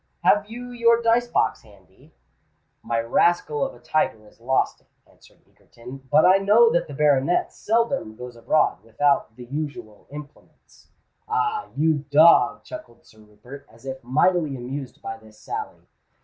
"Have you your dice box handy?" "My rascal of a tiger has lost it," answered Egerton. "But I know that the baronet seldom goes abroad without the usual implements." "Ah! you dog!" chuckled Sir Rupert, as if mightily amused by this sally.